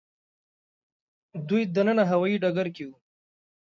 دوی دننه هوايي ډګر کې وو.